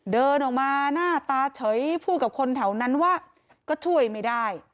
เดินออกมาหน้าตาเฉยพูดกับคนแถวนั้นว่าก็ช่วยไม่ได้